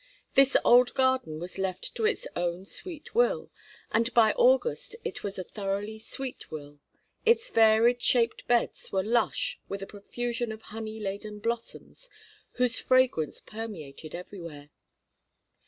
This old garden was left to its own sweet will, and by August it was a thoroughly sweet will; its varied shaped beds were lush with a profusion of honey laden blossoms, whose fragrance permeated everywhere.